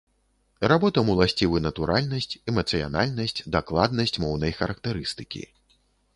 Работам уласцівы натуральнасць, эмацыянальнасць, дакладнасць моўнай характарыстыкі.